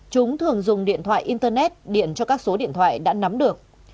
chúng thường dùng điện thoại internet điện cho các số điện thoại đã nắm được